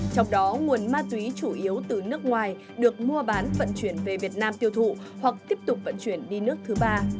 trong đó nguồn ma túy chủ yếu từ nước ngoài được mua bán vận chuyển về việt nam tiêu thụ hoặc tiếp tục vận chuyển đi nước thứ ba